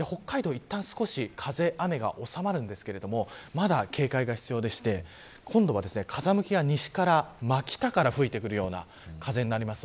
いったん少し風雨が収まるんですけれどもまだ警戒が必要でして今度は風向きが西から真北から吹いてくるような風になります。